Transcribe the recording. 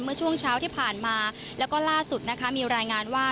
เมื่อช่วงเช้าที่ผ่านมาแล้วก็ล่าสุดนะคะมีรายงานว่า